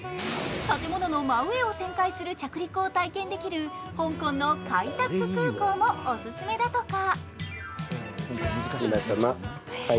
建物の真上を旋回する着陸を体験できる香港のカイタック空港もオススメだとか。